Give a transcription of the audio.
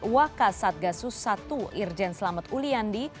wakas satgasus i irjen selamat uliandi